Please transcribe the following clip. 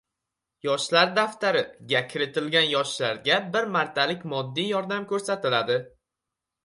“Yoshlar daftari”ga kiritilgan yoshlarga bir martalik moddiy yordam ko‘rsatiladi